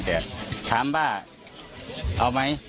แต่ถามว่าเอาไหม